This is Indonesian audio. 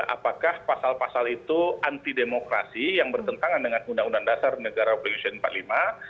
apakah pasal pasal itu anti demokrasi yang bertentangan dengan undang undang dasar negara republik indonesia empat puluh lima